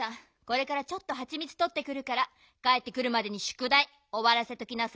これからちょっとハチミツとってくるからかえってくるまでにしゅくだいおわらせておきなさいよ。